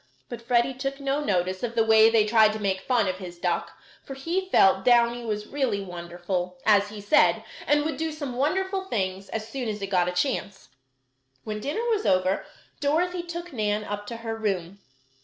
But Freddie took no notice of the way they tried to make fun of his duck, for he felt Downy was really wonderful, as he said, and would do some wonderful things as soon as it got a chance. When dinner was over, Dorothy took Nan up to her room.